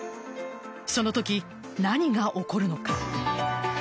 そのとき、何が起こるのか。